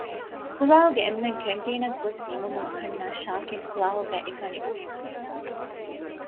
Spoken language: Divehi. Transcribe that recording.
ކުލާހުގެ އެންމެން ކެންޓީނަށް ގޮސް ނިމުމުން އަހަންނާ ޝާކިން ކުލާހުގައި އެކަނިވި